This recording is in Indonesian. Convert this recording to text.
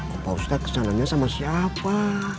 opa ustad kesananya sama siapa